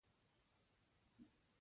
شتمن خلک د نورو ژوند د بدلون وسیله وي.